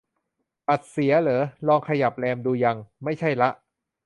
บัตรเสียเหรอ ลองขยับแรมดูยัง ? ไม่ใช่ละ